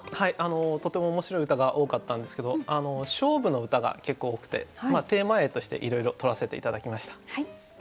とても面白い歌が多かったんですけど勝負の歌が結構多くてテーマ詠としていろいろとらせて頂きました。